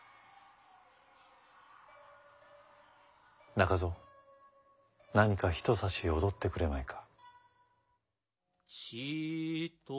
中蔵何かひとさし踊ってくれまいか？